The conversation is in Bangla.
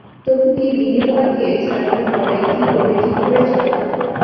তো খুকি, বিলি তোমাকে ছাড়ানোর পরে কী করবে ঠিক করেছ?